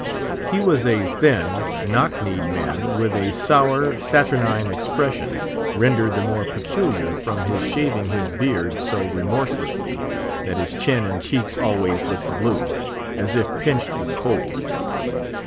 He was a thin, knock kneed man, with a sour, saturnine expression, rendered the more peculiar from his shaving his beard so remorselessly, that his chin and cheeks always looked blue, as if pinched with cold.